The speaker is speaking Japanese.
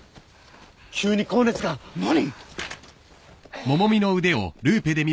急に高熱が。何！？